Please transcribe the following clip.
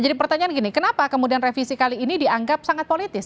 pertanyaan gini kenapa kemudian revisi kali ini dianggap sangat politis